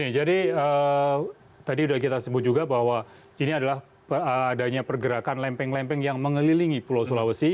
jadi tadi sudah kita sebut juga bahwa ini adalah adanya pergerakan lempeng lempeng yang mengelilingi pulau sulawesi